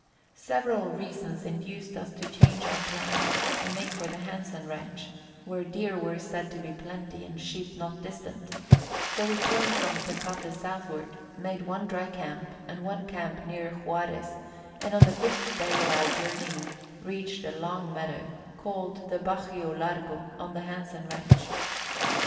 Several reasons induced us to change our plan and make for the Hansen ranch, where deer were said to be plenty and sheep not distant; so we turned from Tecate southward, made one dry camp and one camp near Juarez, and on the fifth day of our journeying reached a long meadow, called the Bajio Largo, on the Hansen ranch.